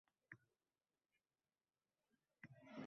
Hech boʻlmasa, biror hunar oʻrgansin